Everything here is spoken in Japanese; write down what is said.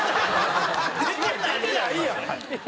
出てないやん。